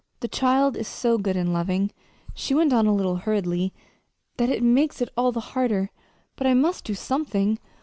"The child is so good and loving," she went on a little hurriedly, "that it makes it all the harder but I must do something.